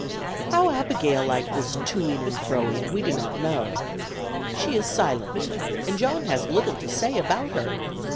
How Abigail liked this "to ing and fro ing," we do not know. She is silent, and John has little to say about her.